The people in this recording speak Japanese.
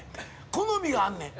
好みがあんねん。